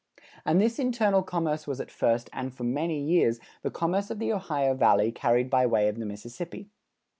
And this internal commerce was at first, and for many years, the commerce of the Ohio Valley carried by way of the Mississippi.